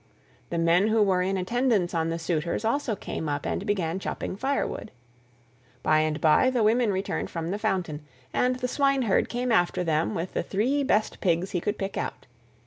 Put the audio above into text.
The men who were in attendance on the suitors also came up and began chopping firewood. By and by the women returned from the fountain, and the swineherd came after them with the three best pigs he could pick out.